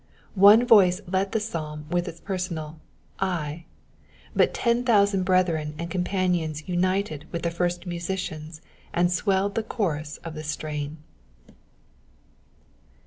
One voice led the psalm wUh its personal J, but ten thousand brethren and companions united with the first musician ami swelled the chorus of the strain.